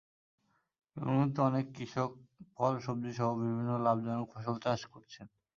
এখন কিন্তু অনেক কৃষক ফল, সবজিসহ বিভিন্ন লাভজনক ফসল চাষ করছেন।